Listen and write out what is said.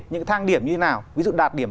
những cái thang điểm như thế nào ví dụ đạt điểm